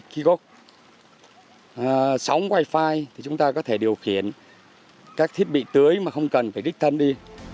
khi có sóng wifi thì chúng ta có thể điều khiển các thiết bị tưới mà không cần phải đích thân đi